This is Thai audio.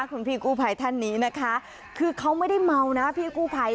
คุณพี่กู้ภัยท่านนี้นะคะคือเขาไม่ได้เมานะพี่กู้ภัย